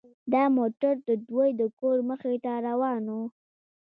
دا موټر د دوی د کور مخې ته روان و